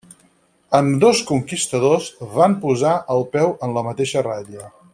Ambdós conquistadors van posar el peu en la mateixa ratlla.